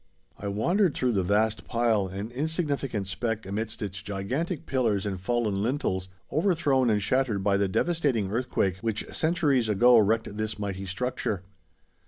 I wandered through the vast pile, an insignificant speck amidst its gigantic pillars and fallen lintels, overthrown and shattered by the devastating earthquake which centuries ago wrecked this mighty structure.